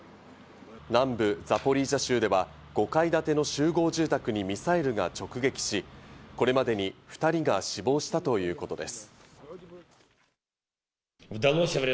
南部ザポリージャ州では５階建ての集合住宅にミサイルが直撃し、これまでに２人が死亡したということです。